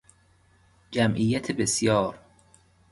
جمعیت بسیار